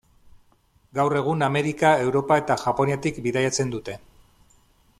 Gaur egun Amerika, Europa eta Japoniatik bidaiatzen dute.